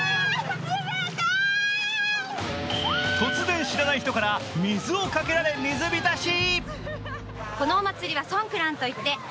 突然知らない人から水をかけられ水浸し。